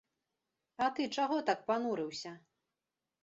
А ты чаго так панурыўся?